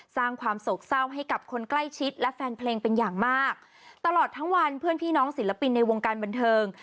สร้างความโศกเศร้าให้กับคนใกล้ชิดและแฟนเพลงเป็นอย่างมากตลอดทั้งวันเพื่อนพี่น้องศิลปินในวงการบันเทิง